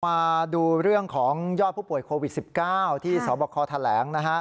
มาดูเรื่องของยอดผู้ป่วยโควิด๑๙ที่สบคแถลงนะฮะ